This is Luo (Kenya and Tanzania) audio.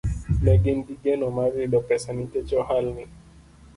Ne gin gi geno mar yudo pesa nikech ohalni